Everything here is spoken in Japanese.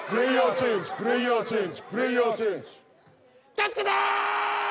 助けて！